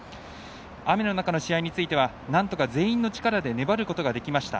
雨の中の試合についてはなんとか全員の力で粘ることができました。